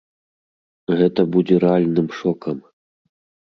Гэта будзе рэальным шокам.